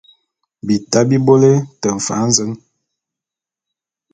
Bita bi bôle te mfan zen !